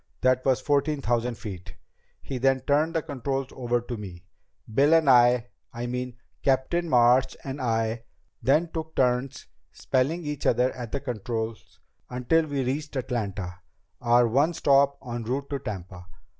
That was fourteen thousand feet. He then turned the controls over to me. Bill and I I mean, Captain March and I then took turns spelling each other at the controls until we reached Atlanta, our one stop en route to Tampa.